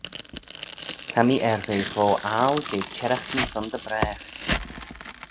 Ta mee er ve fo aggle jeh çherraghtyn son dy bragh.